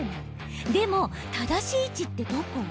でも、正しい位置ってどこ？